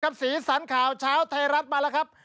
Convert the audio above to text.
สีสันข่าวเช้าไทยรัฐมาแล้วครับ